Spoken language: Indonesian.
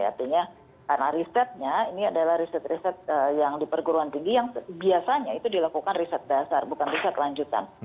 artinya karena risetnya ini adalah riset riset yang di perguruan tinggi yang biasanya itu dilakukan riset dasar bukan riset lanjutan